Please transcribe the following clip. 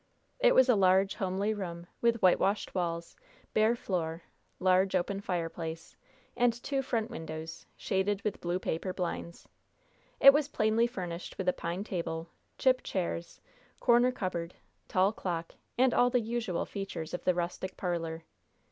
It was a large, homely room, with whitewashed walls, bare floor, large open fireplace, and two front windows, shaded with blue paper blinds. It was plainly furnished with a pine table, chip chairs, corner cupboard, tall clock, and all the usual features of the rustic parlor.